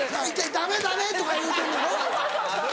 「ダメダメ」とか言うてんねやろ？